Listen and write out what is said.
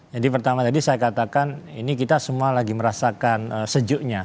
jadi pertama tadi saya katakan ini kita semua lagi merasakan sejuknya